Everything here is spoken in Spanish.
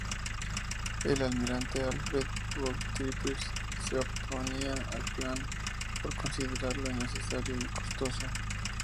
El almirante Alfred von Tirpitz se oponía al plan, por considerarlo innecesario y costoso.